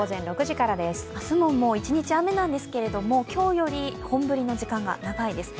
明日も一日雨なんですけれども、今日より本降りの時間が長いです。